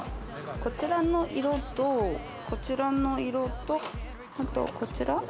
こちらの色と、こちらの色と、あとこちら。